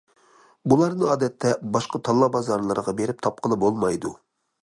بۇلارنى ئادەتتە باشقا تاللا بازارلىرىغا بېرىپ تاپقىلى بولمايدۇ.